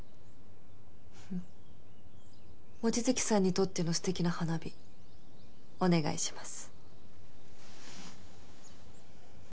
望月さんにとっての素敵な花火お願いします。